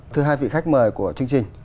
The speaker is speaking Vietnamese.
thưa hai vị khách mời của chương trình